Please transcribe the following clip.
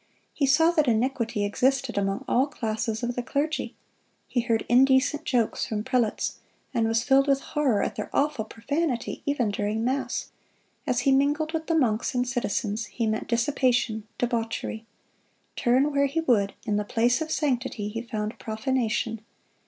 He saw that iniquity existed among all classes of the clergy. He heard indecent jokes from prelates, and was filled with horror at their awful profanity, even during mass. As he mingled with the monks and citizens, he met dissipation, debauchery. Turn where he would, in the place of sanctity he found profanation.